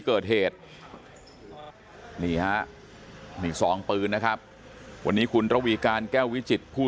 เกิดเหตุนี่ฮะนี่ซองปืนนะครับวันนี้คุณระวีการแก้ววิจิตผู้